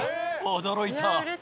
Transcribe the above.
驚いた。